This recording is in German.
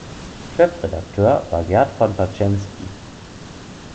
Chefredakteur war Gert von Paczensky.